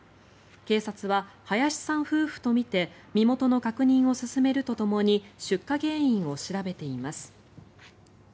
警察は林さん夫婦とみて身元の確認を進めるとともに出火原因を調べています。